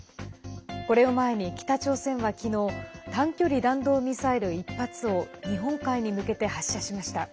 これを前に北朝鮮は昨日短距離弾道ミサイル１発を日本海に向けて発射しました。